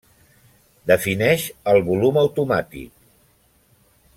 Defineix el volum automàtic.